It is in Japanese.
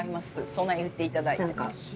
そんな言っていただいて。